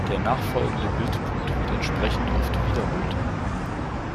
Der nachfolgende Bildpunkt wird entsprechend oft wiederholt.